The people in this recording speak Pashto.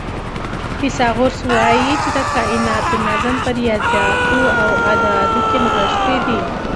فیثاغورث وایي چې د کائناتو نظم په ریاضیاتو او اعدادو کې نغښتی دی.